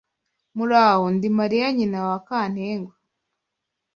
Muraho, Ndi Mariya nyina wa kantengwa